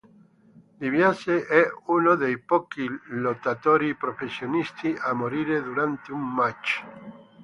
DiBiase è uno dei pochi lottatori professionisti a morire durante un match.